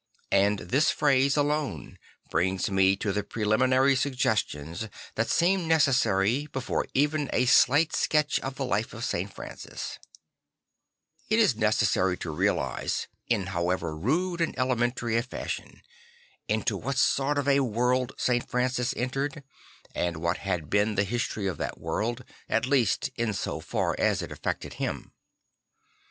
And this phrase alone brings me to the prelimi nary suggestions that seem necessary before even a slight sketch of the life of St. Francis. It is 24 St. Francis of Assisi necessary to realise, in however rude and elemen tary a fashion, into what sort of a world St. Francis entered and what has been the history of that world, at least in so far as it affected him.